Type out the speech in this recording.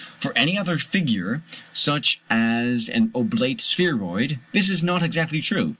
For any other figure, such as an oblate spheroid, this is not exactly true.